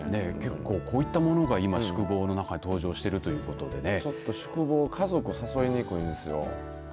結構こういったものが今宿坊の中にちょっと宿坊家族誘いにくいんですよ。